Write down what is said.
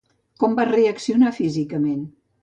Com va reaccionar físicament?